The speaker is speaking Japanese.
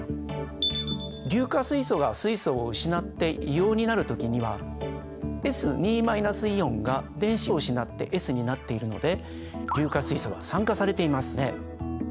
硫化水素が水素を失って硫黄になる時にはＳイオンが電子を失ってＳになっているので硫化水素は酸化されていますね。